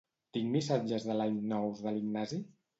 Tinc missatges de Line nous de l'Ignasi?